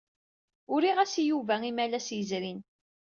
Uriɣ-as i Yuba imalas yezrin.